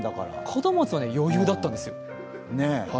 門松は余裕だったんですよ。